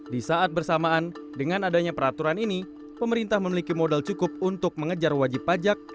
di saat bersamaan dengan adanya peraturan ini pemerintah memiliki modal cukup untuk mengejar wajib pajak